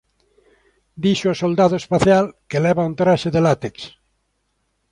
Dixo a soldado espacial que leva un traxe de látex.